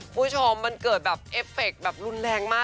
คุณผู้ชมมันเกิดแบบเอฟเฟคแบบรุนแรงมาก